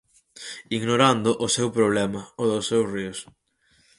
Ignorando o seu problema, o dos seus ríos.